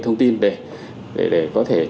thông tin để có thể